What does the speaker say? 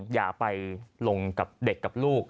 อย่าไปลงกับเด็กกับลูก